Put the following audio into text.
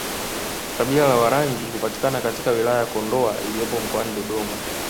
Kabila la Warangi hupatikana katika wilaya ya Kondoa iliyopo mkoani Dodoma